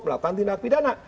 melakukan tindak pidana